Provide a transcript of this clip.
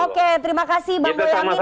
oke terima kasih bang boyamin